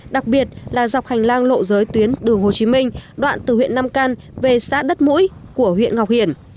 đặc biệt là dọc hành lang lộ giới tuyến đường hồ chí minh đoạn từ huyện nam căn về xã đất mũi của huyện ngọc hiển